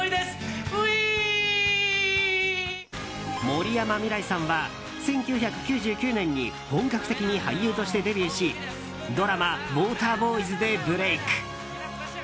森山未來さんは１９９９年に本格的に俳優としてデビューしドラマ「ウォーターボーイズ」でブレーク。